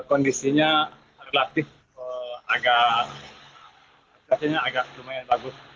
kondisinya relatif agak rasanya agak lumayan bagus